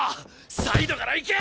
サイドから行け！